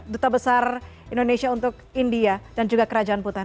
duta besar indonesia untuk india dan juga kerajaan putan